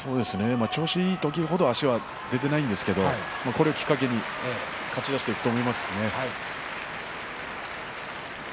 調子のいい時程足は出ていないんですけれどこれをきっかけに勝ちにしていくと思いますね。